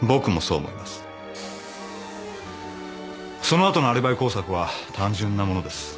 その後のアリバイ工作は単純なものです。